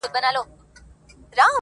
نه هیڅ خت ورته قسمت هسي خندلي -